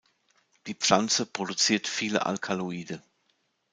Die Pflanze produziert viele Alkaloide.